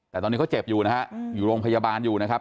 แต่ตอนนี้เขาเจ็บอยู่นะฮะอยู่โรงพยาบาลอยู่นะครับ